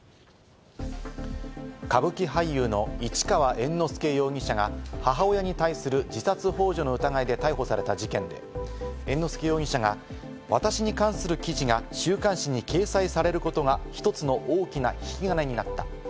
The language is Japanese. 歌舞伎俳優の市川猿之助容疑者が母親に対する自殺ほう助の疑いで逮捕された事件で、猿之助容疑者が、私に関する記事が週刊誌に掲載されることが１つの大きな引き金になった。